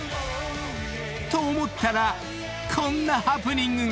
［と思ったらこんなハプニングが！］